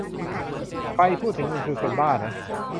ใครพูดถึงมึงคือคนบ้านะ